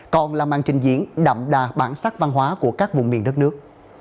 còn là màn trình diễn đậm đà bản sắc văn hóa của các vùng miền đất nước